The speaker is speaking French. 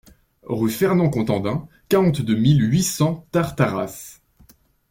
Rue Fernand Contandin, quarante-deux mille huit cents Tartaras